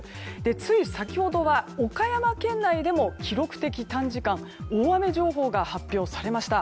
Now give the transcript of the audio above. つい先ほどは岡山県内でも記録的短時間大雨情報が発表されました。